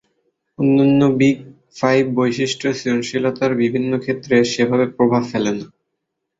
অন্যান্য big five বৈশিষ্ট্য সৃজনশীলতার বিভিন্ন ক্ষেত্রে সেভাবে প্রভাব ফেলে না।